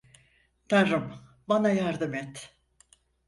Tanrım bana yardım et.